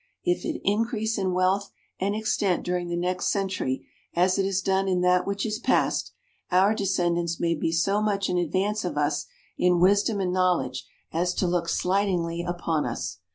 If it increase in wealth and extent during the next century as it has done in that which is past, our descendants may be so much in advance of us in wisdom and knowledge as to look slightingly upon us.